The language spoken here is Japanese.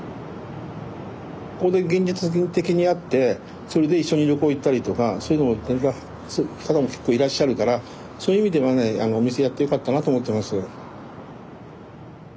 ここで現実的に会ってそれで一緒に旅行行ったりとかそういう方も結構いらっしゃるからそういう意味ではねお店やってよかったなと思ってます。